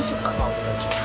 お願いします。